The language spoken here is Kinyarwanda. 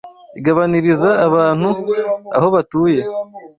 igabaniriza abantu aho batuye.